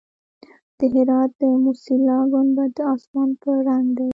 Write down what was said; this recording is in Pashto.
د هرات د موسیلا ګنبد د اسمان په رنګ دی